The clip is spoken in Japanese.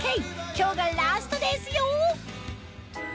今日がラストですよ